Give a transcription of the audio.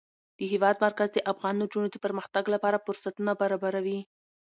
د هېواد مرکز د افغان نجونو د پرمختګ لپاره فرصتونه برابروي.